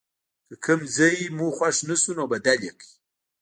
که کوم ځای مو خوښ نه شو نو بدل یې کړئ.